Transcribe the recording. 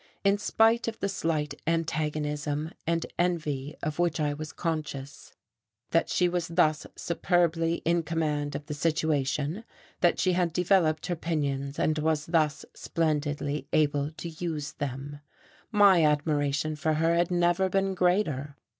In spite of the slight antagonism and envy of which I was conscious, that she was thus superbly in command of the situation, that she had developed her pinions and was thus splendidly able to use them, my admiration for her had never been greater.